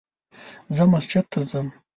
زه مسجد ته ځم